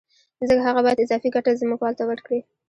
ځکه هغه باید اضافي ګټه ځمکوال ته ورکړي